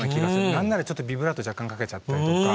何ならちょっとビブラート若干かけちゃったりとか。